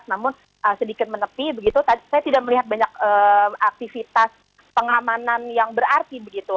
namun sedikit menepi begitu saya tidak melihat banyak aktivitas pengamanan yang berarti begitu